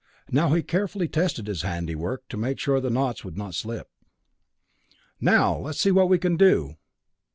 Now he carefully tested his handiwork to make sure the knots would not slip. "Now, let's see what we can do."